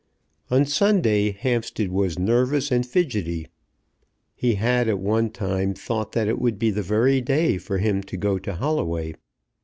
On Sunday Hampstead was nervous and fidgety. He had at one time thought that it would be the very day for him to go to Holloway.